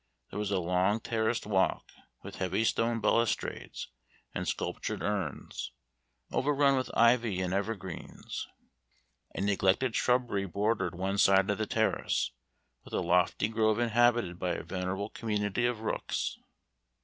There was a long terraced walk, with heavy stone balustrades and sculptured urns, overrun with ivy and evergreens. A neglected shrubbery bordered one side of the terrace, with a lofty grove inhabited by a venerable community of rooks.